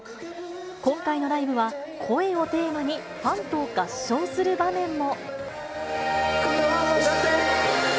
今回のライブは、声をテーマに、ファンと合唱する場面も。